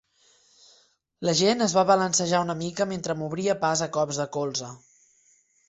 La gent es va balancejar una mica mentre m'obria pas a cops de colze.